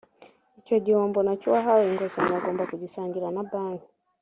icyo gihombo na cyo uwahawe inguzanyo agomba kugisangira na banki